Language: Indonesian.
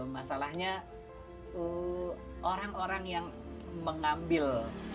masalahnya orang orang yang mengambil